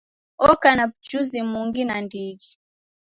Oko na w'ujuzi mungi nandighi.